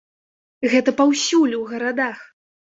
Гэта паўсюль у гарадах.